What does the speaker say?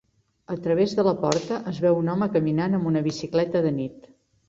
A través de la porta es veu un home caminant amb una bicicleta de nit.